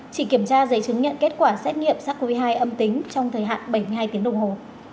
chỉ kiểm tra giấy chứng nhận kết quả xét nghiệm sars cov hai âm tính trong thời hạn bảy mươi hai tiếng đồng hồ